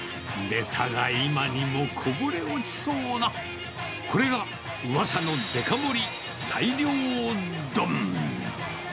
ネタが今にもこぼれ落ちそうな、これがうわさのデカ盛り、大漁丼。